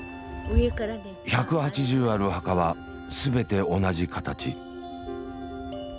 １８０ある墓は全て同じ形。